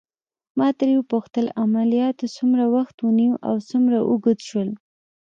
ما ترې وپوښتل: عملياتو څومره وخت ونیو او څومره اوږد شول؟